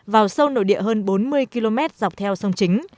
vào sâu nội địa hơn bốn mươi km dọc theo sông chính